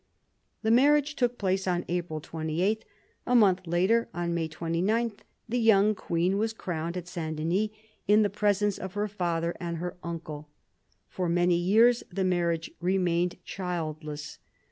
The marriage took place on April 28. A month later, on May 29, the young queen was crowned at S. Denys, in the presence of her father and her uncle. For many years the marriage remained childless.